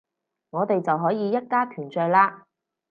我哋就可以一家團聚喇